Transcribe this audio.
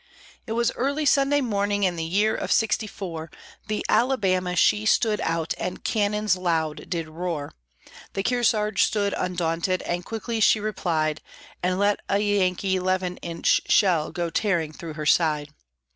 It was early Sunday morning, in the year of sixty four, The Alabama she stood out and cannons loud did roar; The Kearsarge stood undaunted, and quickly she replied And let a Yankee 'leven inch shell go tearing through her side.